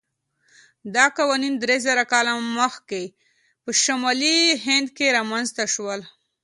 دا قوانین درېزره کاله مخکې په شمالي هند کې رامنځته شول.